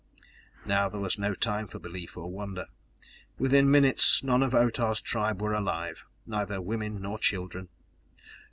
Now there was no time for belief or wonder. Within minutes none of Otah's tribe were alive, neither women nor children.